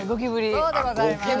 そうでございます。